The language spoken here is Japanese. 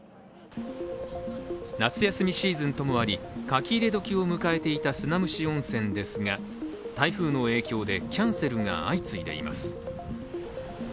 夏休みシーズンともあり書き入れ時を迎えていた砂むし温泉ですが台風の影響でキャンセルが相次いでいます。